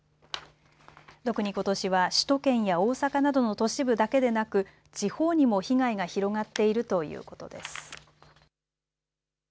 特に、ことしは首都圏や大阪などの都市部だけでなく地方にも被害が広がっているということです。